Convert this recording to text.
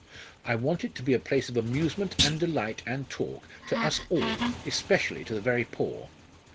I want it to be a place of amusement and delight and talk to us all especially to the very poor.